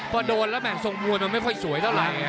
พอโดนแล้วแม่ทรงมวยมันไม่ค่อยสวยเท่าไหร่